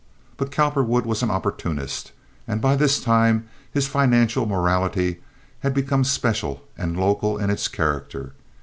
But Cowperwood was an opportunist. And by this time his financial morality had become special and local in its character.